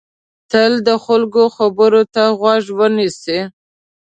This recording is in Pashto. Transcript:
تل د خلکو خبرو ته غوږ ونیسئ.